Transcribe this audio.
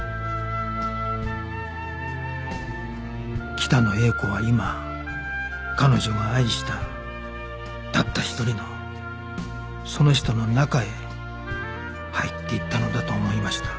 北野英子は今彼女が愛したたった一人のその人の中へ入っていったのだと思いました